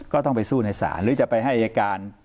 ก็ต้องไปสู้ในศาลหรือจะไปให้อายการ